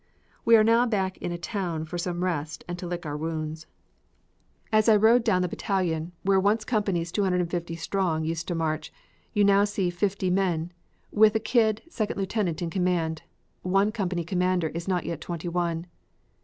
We are now back in a town for some rest and to lick our wounds. As I rode down the battalion, where once companies 250 strong used to march, now you see fifty men, with a kid second lieutenant in command; one company commander is not yet twenty one.